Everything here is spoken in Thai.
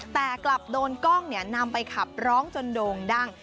แต่กลับโดนกล้องนำไปขับร้องจนโด่งดัง